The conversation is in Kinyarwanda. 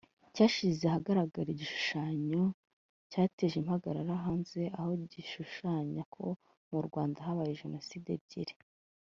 cyashyize ahagaragara igishushanyo [cartoon/caricature] cyateje impagarara hanze aha gishushanya ko mu Rwanda habaye jenoside ebyiri